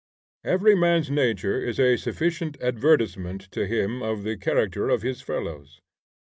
Every man's nature is a sufficient advertisement to him of the character of his fellows.